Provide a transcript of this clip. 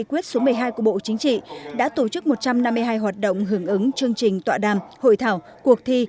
quyết số một mươi hai của bộ chính trị đã tổ chức một trăm năm mươi hai hoạt động hưởng ứng chương trình tọa đàm hội thảo cuộc thi